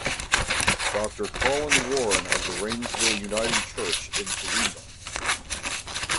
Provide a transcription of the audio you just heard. Doctor Colin Warren of the Rangeville Uniting Church in Toowoomba.